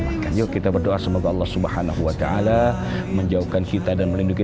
agar kita diselamatkan yuk kita berdoa semoga allah subhanahu wa ta'ala menjauhkan kita dan melindungi